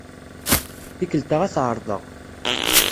Tikkelt-a ad t-ɛerḍeɣ.